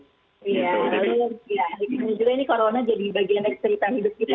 iya lalu juga ini corona jadi bagian dari cerita hidup kita